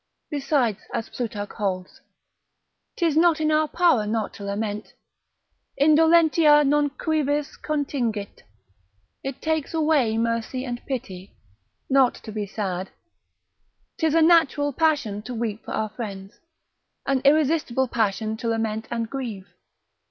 Beside, as Plutarch holds, 'tis not in our power not to lament, Indolentia non cuivis contingit, it takes away mercy and pity, not to be sad; 'tis a natural passion to weep for our friends, an irresistible passion to lament and grieve.